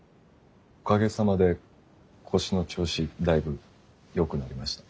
おかげさまで腰の調子だいぶよくなりました。